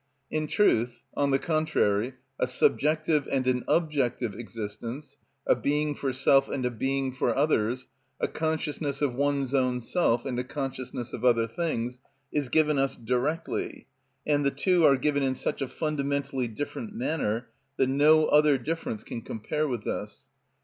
In truth, on the contrary, a subjective and an objective existence, a being for self and a being for others, a consciousness of one's own self, and a consciousness of other things, is given us directly, and the two are given in such a fundamentally different manner that no other difference can compare with this.